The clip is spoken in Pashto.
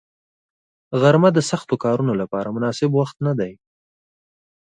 غرمه د سختو کارونو لپاره مناسب وخت نه دی